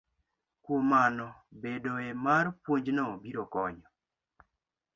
Kuom mano, bedoe mar puonjno biro konyo